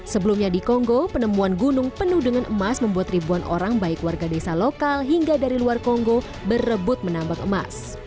sebelumnya di kongo penemuan gunung penuh dengan emas membuat ribuan orang baik warga desa lokal hingga dari luar kongo berebut menambang emas